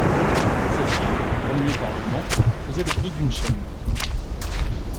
Ce fil, remué par le vent, faisait le bruit d’une chaîne.